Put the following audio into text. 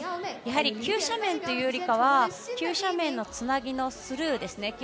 急斜面というよりかは中斜面のつなぎのスルーですね。